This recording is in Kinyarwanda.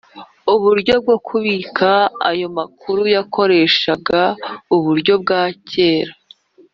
uburyo bwo kubika ayo makuru yakoreshaga uburyo bwa kera